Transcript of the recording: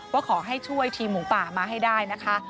ว่าขอให้ช่วยทีมหมูป่ามาให้ได้นะคะ